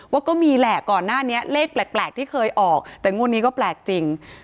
ก็มีแหละก่อนหน้านี้เลขแปลกที่เคยออกแต่งวดนี้ก็แปลกจริง